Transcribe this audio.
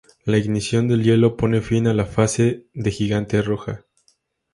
La ignición del helio pone fin a la fase de gigante roja.